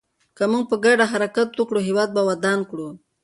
که موږ په ګډه حرکت وکړو، هېواد به ودان کړو.